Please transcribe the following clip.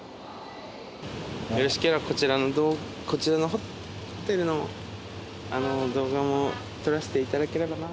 よろしければこちらのホテルの動画も撮らせていただければなと。